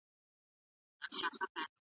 رباب او سارنګ ژبه نه لري .